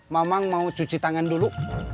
mamang mau cuci tangan dulu